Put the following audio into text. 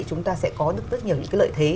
chúng ta sẽ có được rất nhiều những cái lợi thế